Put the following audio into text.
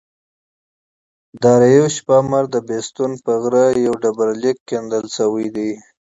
داریوش په امر د بستون پر غره یو ډبر لیک کیندل سوی دﺉ.